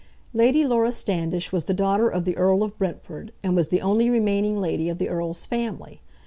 Lady Laura Standish was the daughter of the Earl of Brentford, and was the only remaining lady of the Earl's family.